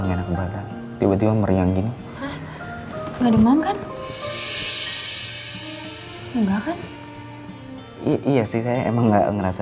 ngenak badan tiba tiba meriah gini nggak demam kan enggak kan iya sih saya emang nggak ngerasa